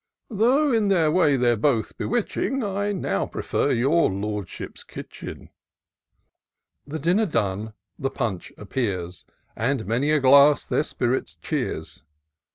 " Tho', in their way, they're both bewitching ; I now prefer your Lordship's kitchen," The dinner done, the punch appears, And many a glass their spirits cheers.